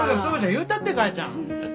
言うたって母ちゃん。